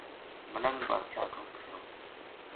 ملنگ بادشاہ کو قصو